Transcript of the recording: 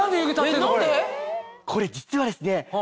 これ実はですね